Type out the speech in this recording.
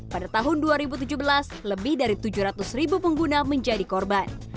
pada tahun dua ribu tujuh belas lebih dari tujuh ratus ribu pengguna menjadi korban